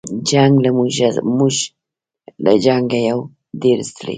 جنګ له موږه موږ له جنګه یو ډېر ستړي